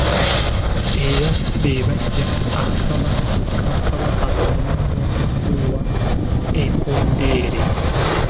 Era be baggya akaba ka Kabaka wamu n'okufuuwa ekkondeere.